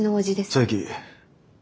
佐伯。